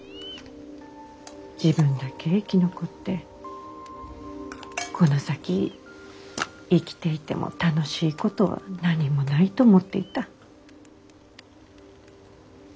自分だけ生き残ってこの先生きていても楽しいことは何もないと思っていた。